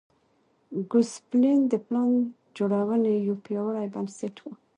ګوسپلن د پلان جوړونې یو پیاوړی بنسټ و.